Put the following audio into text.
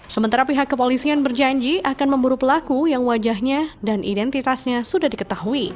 sementara pihak kepolisian berjanji akan memburu pelaku yang wajahnya dan identitasnya sudah diketahui